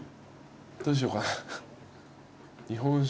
どうしようかな日本酒。